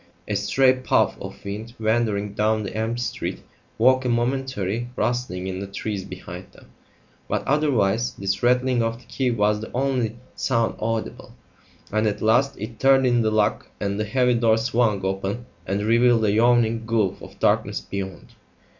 A stray puff of wind wandering down the empty street woke a momentary rustling in the trees behind them, but otherwise this rattling of the key was the only sound audible; and at last it turned in the lock and the heavy door swung open and revealed a yawning gulf of darkness beyond.